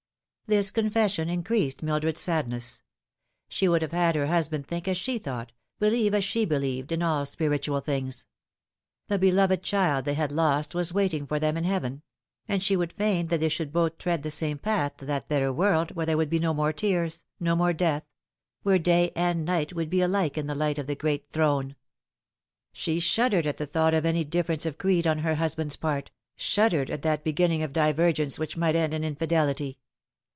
This confession increased Mildred's padness. She would have had her husband think as she thought, believe as she be lieved, in all spiritual things. The beloved child they had lost was waiting for them in heaven : and she would fain that they should both tread the same path to that better world where there would be no more tears, no more death where day and night would be alike in the light of the great Throne. She shuddered at the thought of any difference of creed on her hus band's part, shuddered at that beginning of divergence which might end in infidelity.